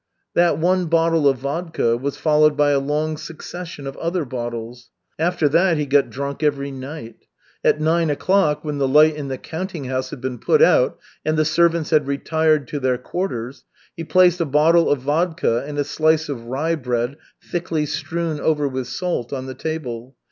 That one bottle of vodka was followed by a long succession of other bottles. After that he got drunk every night. At nine o'clock, when the light in the counting house had been put out and the servants had retired to their quarters, he placed a bottle of vodka and a slice of rye bread thickly strewn over with salt on the table.